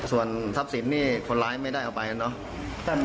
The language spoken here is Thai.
ส่วนทัพศิลป์นี่คนร้ายไม่ได้เอาไปแล้วเนอะ